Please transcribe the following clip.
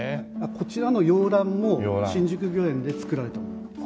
こちらの洋蘭も新宿御苑で作られたものです。